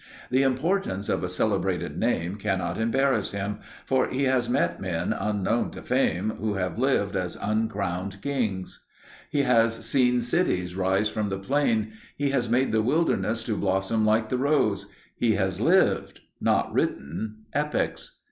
The importance of a celebrated name cannot embarrass him, for he has met men unknown to fame who have lived as uncrowned kings. He has seen cities rise from the plain. He has made the wilderness to blossom like the rose; he has lived, not written epics.